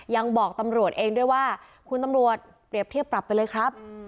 ยังบอกตำรวจเองด้วยว่าคุณตำรวจเปรียบเทียบปรับไปเลยครับ